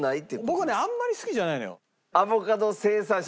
僕ねあんまり好きじゃないのよ。